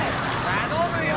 頼むよ！